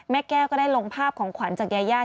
แก้วก็ได้ลงภาพของขวัญจากยายา